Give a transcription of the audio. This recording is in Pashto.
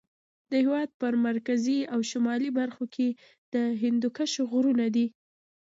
د هېواد په مرکزي او شمالي برخو کې د هندوکش غرونه دي.